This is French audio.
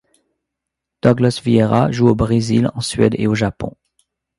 Douglas Vieira joue au Brésil, en Suède et au Japon.